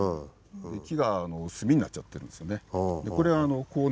木が炭になっちゃってるんです。